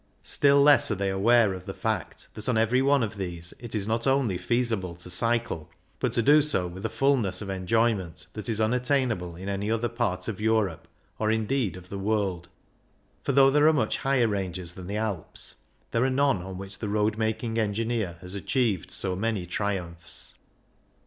Still less are they aware of the fact that on every one of these it is not only feasible to cycle, but to do so with a fulness of enjoyment that is unattainable in any other part of Europe, or indeed of the world ; for though there are much higher ranges than the Alps, there are none on which the road making engineer has achieved so many triumphs.